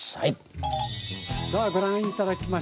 さあご覧頂きましょう。